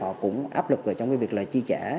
họ cũng áp lực trong việc chi trả